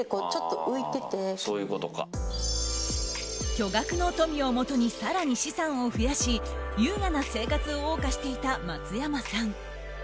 巨額の富をもとに更に資産を増やし優雅な生活を謳歌していた松山さん。